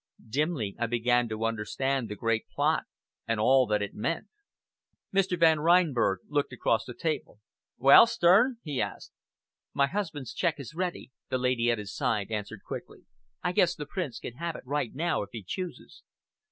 Dimly I began to understand the great plot, and all that it meant. Mr. Van Reinberg looked across the table. "Well, Stern?" he asked. "My husband's cheque is ready," the lady at his side answered quickly. "I guess the Prince can have it right now, if he chooses."